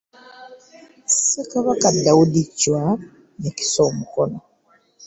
Ssekabaka Daudi Ccwa yakisa omukono.